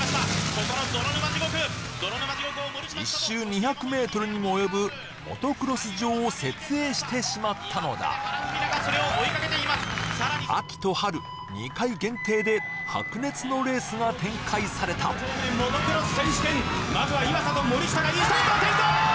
ここの泥沼地獄１周２００ｍにもおよぶモトクロス場を設営してしまったのだ秋と春２回限定で白熱のレースが展開されたモトクロス選手権まずは岩佐と森下がいいスタート転倒！